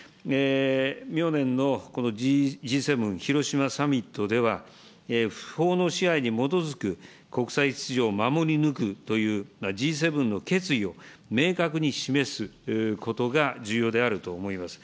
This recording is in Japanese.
明年のこのＧ７・広島サミットでは、法の支配に基づく国際秩序を守り抜くというＧ７の決意を明確に示すことが重要であると思います。